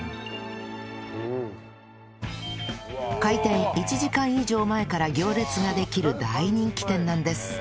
開店１時間以上前から行列ができる大人気店なんです